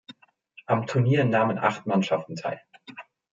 Am Turnier nahmen acht Mannschaften teil.